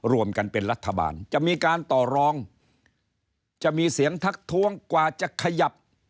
รวมกันเป็นรัฐบาลจะมีการต่อรองจะมีเสียงทักท้วงกว่าจะขยับ